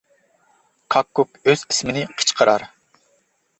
كاككۇك ئۆز ئىسمىنى قىچقىرار.